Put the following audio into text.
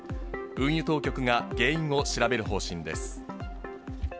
運輸当局が原因を調べる方針です。